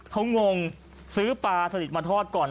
เขางงซื้อปลาสลิดมาทอดก่อน